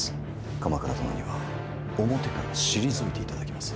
鎌倉殿には表から退いていただきます。